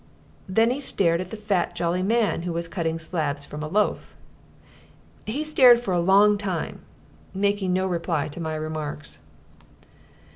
Then he stared at the fat, jolly man, who was cutting slabs from a loaf. He stared for a long time, making no reply to my remarks.